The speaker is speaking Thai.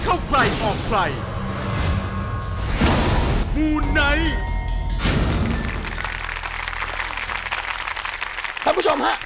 คุณผู้ชมฮะ